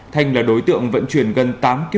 thanh là đối tượng vận chuyển gần tám km